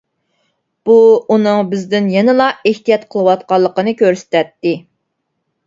بۇ ئۇنىڭ بىزدىن يەنىلا ئېھتىيات قىلىۋاتقانلىقىنى كۆرسىتەتتى.